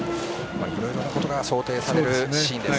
いろいろなことが想定されるシーンです。